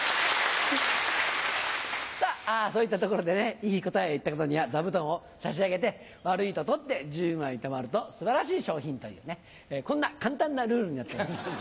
さぁそういったところでねいい答えを言った方には座布団を差し上げて悪いと取って１０枚たまると素晴らしい賞品というねこんな簡単なルールになってます